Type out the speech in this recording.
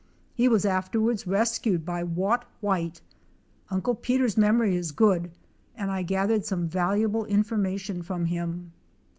He was afterwards rescued by Watt White. Uncle Peter's memory is good and I gathered some valuable information from him.